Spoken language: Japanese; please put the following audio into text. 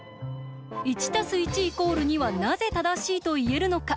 １＋１＝２はなぜ正しいと言えるのか。